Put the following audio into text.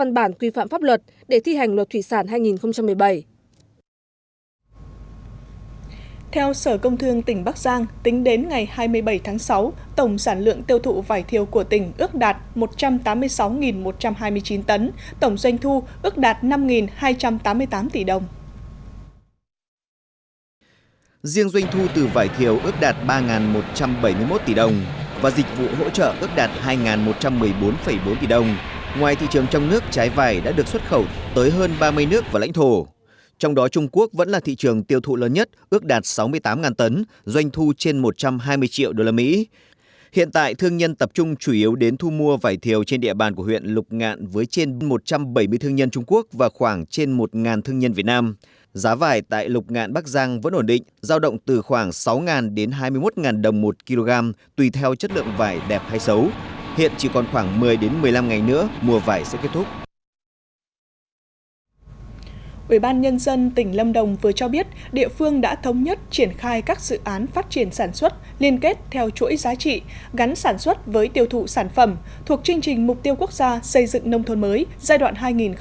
ubnd tỉnh lâm đồng vừa cho biết địa phương đã thống nhất triển khai các dự án phát triển sản xuất liên kết theo chuỗi giá trị gắn sản xuất với tiêu thụ sản phẩm thuộc chương trình mục tiêu quốc gia xây dựng nông thôn mới giai đoạn hai nghìn một mươi tám hai nghìn hai mươi